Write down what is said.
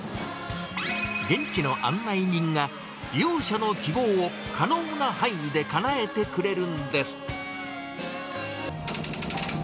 現地の案内人が、利用者の希望を可能な範囲でかなえてくれるんです。